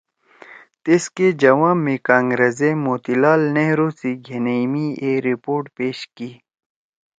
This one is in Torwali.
تیسکے جواب می کانگرس ئے موتی لال نہرو سی گھینیئی می اے رپورٹ پیش کی